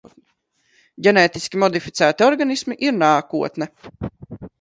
Ģenētiski modificēti organismi ir nākotne.